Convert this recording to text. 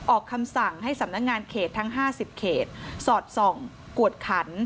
ออกคำสั่งให้สำนักงานเขตทั้ง๕๐เขตสอดส่องกวดขัน